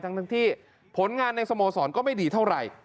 ทั้งที่ผลงานในสโมสรก็ไม่ดีเท่าไหร่